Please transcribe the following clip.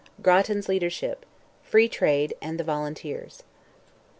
GRATTAN'S LEADERSHIP—"FREE TRADE," AND THE VOLUNTEERS.